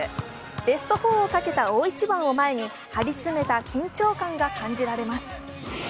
ベスト４をかけた大一番を前に張りつめた緊張感が感じられます。